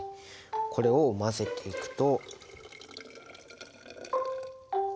これを混ぜていくと。